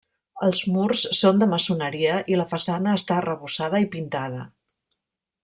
Els murs són de maçoneria i la façana està arrebossada i pintada.